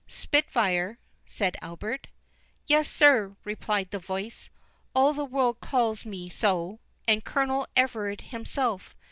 "Spitfire?" said Albert. "Yes, sir," replied the voice; "all the world calls me so, and Colonel Everard himself.